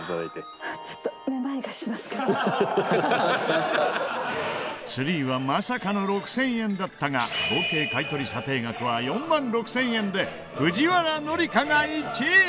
ツリーはまさかの６０００円だったが合計買い取り査定額は４万６０００円で藤原紀香が１位！